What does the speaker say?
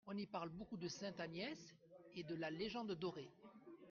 On y parle beaucoup de sainte Agnès et de la légende dorée.